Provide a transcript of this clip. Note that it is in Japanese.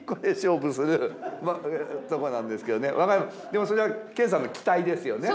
でもそれは研さんの期待ですよね？